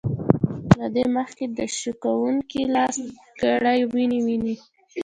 له دې مخکې د شکوونکي لاس کړي وينې وينې